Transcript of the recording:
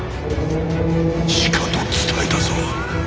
しかと伝えたぞ。